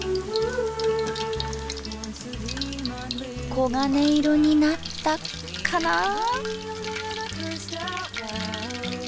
黄金色になったかなぁ？